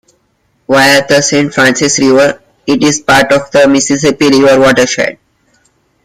Via the Saint Francis River, it is part of the Mississippi River watershed.